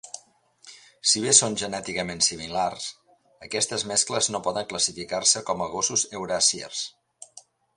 Si bé són genèticament similars, aquestes mescles no poden classificar-se com a gossos eurasiers.